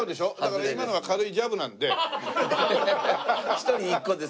一人１個です。